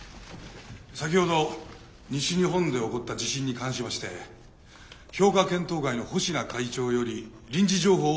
先ほど西日本で起こった地震に関しまして評価検討会の保科会長より臨時情報をお伝えします。